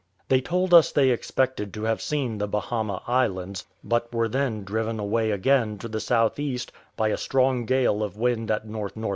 They told us they expected to have seen the Bahama Islands, but were then driven away again to the south east, by a strong gale of wind at NNW.